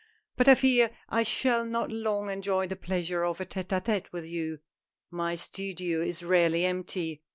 "But I fear I shall not long enjoy the pleasure of a tete ^t^te with you. My studio is rarely empty.